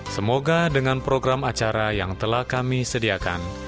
semoga dengan program acara yang telah kami sediakan